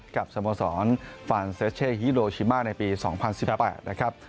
กับสมสอนฟาสเซชเฮีโรชิมาในปี๒๐๑๘นะครับ